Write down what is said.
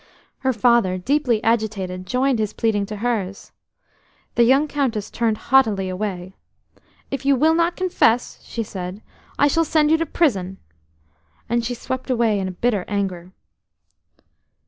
Her father, deeply agitated, joined his pleading to hers. The young Countess turned haughtily away. "If you will not confess," she said, "I shall send you to prison." And she swept away in bitter anger.